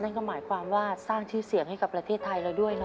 นั่นก็หมายความว่าสร้างชื่อเสียงให้กับประเทศไทยเราด้วยนะ